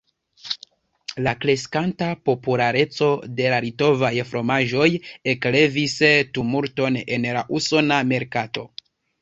La kreskanta populareco de la litovaj fromaĝoj eklevis tumulton en la usona merkato.